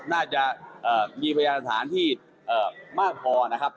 น่าจะมีพยานฐานที่มากพอนะครับ